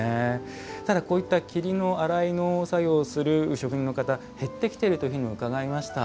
ただ、こういった桐の洗いの作業をする職人の方、減ってきているというふうにも伺いました。